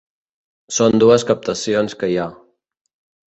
Són dues captacions que hi ha.